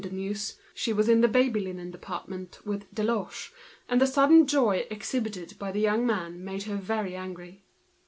When Pauline learnt this, she was in the baby linen department with Deloche, and the sudden joy exhibited by the young, man made her very angry.